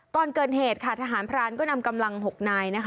ก่อนเกิดเหตุค่ะทหารพรานก็นำกำลัง๖นายนะคะ